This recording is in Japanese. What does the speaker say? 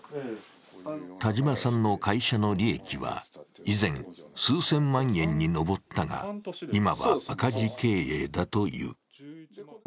田島さんの会社の利益は以前、数千万円に上ったが今は赤字経営だという。